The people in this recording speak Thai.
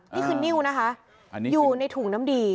นี่คือนิ้วนะคะอยู่ในถุงน้ำดี